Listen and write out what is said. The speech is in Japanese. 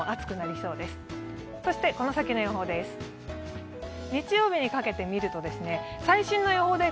そしてこの先の予報です。